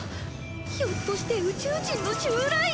ひょっとして宇宙人の襲来！？